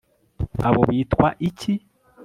Abo bitwa iki